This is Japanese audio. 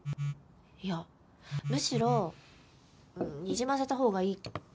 いやむしろにじませたほうがいい。